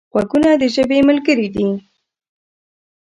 غوږونه د ژبې ملګري دي